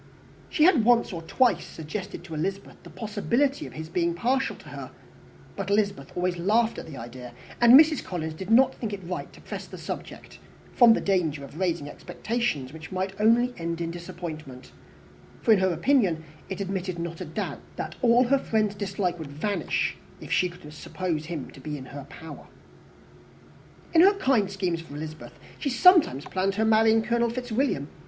She had once or twice suggested to Elizabeth the possibility of his being partial to her, but Elizabeth always laughed at the idea; and Mrs. Collins did not think it right to press the subject, from the danger of raising expectations which might only end in disappointment; for in her opinion it admitted not of a doubt, that all her friend's dislike would vanish, if she could suppose him to be in her power. In her kind schemes for Elizabeth, she sometimes planned her marrying Colonel Fitzwilliam.